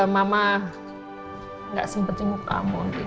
mama gak sempet nunggu kamu